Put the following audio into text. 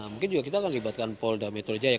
mungkin juga kita akan melibatkan polda metode saja